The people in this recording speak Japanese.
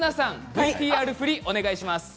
ＶＴＲ振りお願いします。